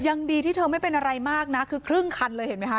ยังดีที่เธอไม่เป็นอะไรมากนะคือครึ่งคันเลยเห็นไหมคะ